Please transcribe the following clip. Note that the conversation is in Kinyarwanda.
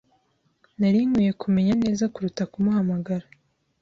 Nari nkwiye kumenya neza kuruta kumuhamagara.